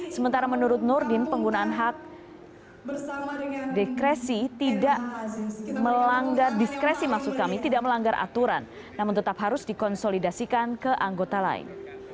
sementara menurut nurdin penggunaan hak diskresi tidak melanggar aturan namun tetap harus dikonsolidasikan ke anggota lain